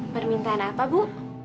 permintaan apa bu